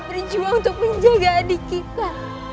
berjuang untuk menjaga adik kita